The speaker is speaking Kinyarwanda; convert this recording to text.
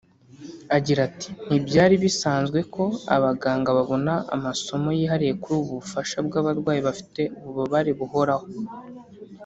Agira ati “Ntibyari bisanzwe ko abaganga babona amasomo yihariye kuri ubu bufasha bw’abarwayi bafite ububabare buhoraho